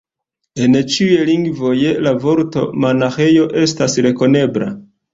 En ĉiuj lingvoj la vorto monaĥejo estas rekonebla.